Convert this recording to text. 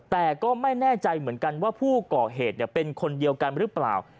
แต่ก็ไม่แน่ใจเหมือนกันว่าผู้ก่อเหตุเป็นคนเดียวกันหรือเปล่า